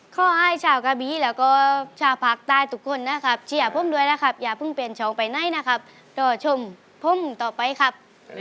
ข้ออ้ายฉ่ากบีแล้วก็ฉากผักตายทุกคนนะครับเชียร์ผมด้วยนะครับอย่าเพิ่งเปลี่ยนชองไปหน่อยนะครับโดดชมผมต่อไปครับ